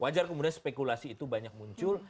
wajar kemudian spekulasi itu banyak muncul